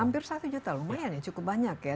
hampir satu juta lumayan ya cukup banyak ya